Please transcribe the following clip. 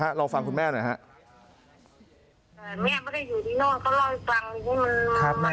มันหลอนยามันแบบว่ามันหลอนมันพูดเพราะว่ามัน